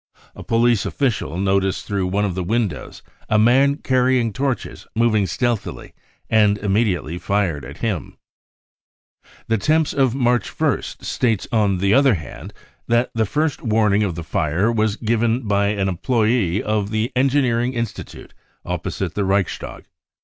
A police official noticed through one of the windows a man carrying torches moving stealthily^and immediately fired at him," The Temps of March 1st states on the other hand that the first warning of the fire was given by an employee of the Engineering Institute opposite the Reichstag.